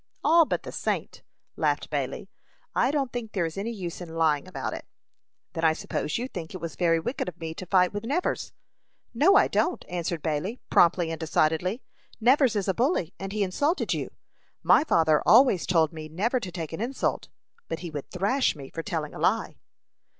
"All but the saint," laughed Bailey. "I don't think there is any use in lying about it." "Then I suppose you think it was very wicked of me to fight with Nevers." "No, I don't," answered Bailey, promptly and decidedly. "Nevers is a bully, and he insulted you. My father always told me never to take an insult, but he would thrash me for telling a lie."